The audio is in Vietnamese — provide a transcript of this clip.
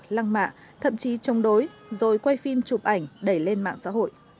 lăng mạ thậm chí chống đối rồi quay phim chụp ảnh đẩy lên mạng xã hội